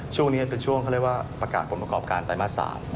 ช่วงนี้เป็นช่วงเขาเรียกว่าประกาศผลประกอบการไตรมาส๓